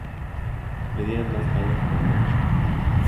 Le dieron más palos que a una estera